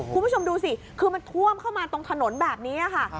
คุณผู้ชมดูสิคือมันท่วมเข้ามาตรงถนนแบบนี้ค่ะ